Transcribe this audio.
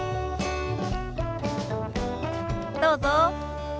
どうぞ。